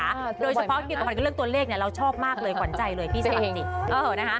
โดยเฉพาะเกี่ยวกับคนเรื่องตัวเลขเราชอบมากเลยขวัญใจเลยพี่สลัดจิต